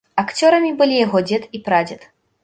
Акцёрамі былі яго дзед і прадзед.